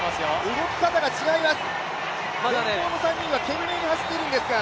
動き方が違います、前方の３人は懸命に走っているんですが。